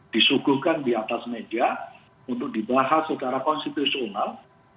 disuguhkan di atas meja untuk dibahas secara konstitusional